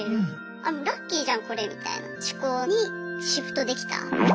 あもうラッキーじゃんこれみたいな思考にシフトできた。